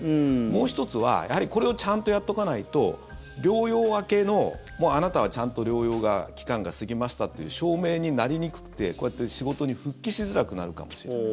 もう１つは、やはりこれをちゃんとやっておかないと療養明けのもうあなたはちゃんと療養が期間が過ぎましたという証明になりにくくてこうやって仕事に復帰しづらくなるかもしれない。